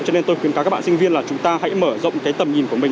cho nên tôi khuyến cáo các bạn sinh viên là chúng ta hãy mở rộng cái tầm nhìn của mình